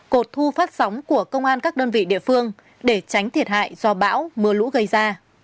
cột thu phát sóng của công an các đơn vị địa phương để tránh thiệt hại do bão mưa lũ gây ra